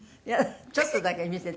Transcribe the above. ちょっとだけ見せて。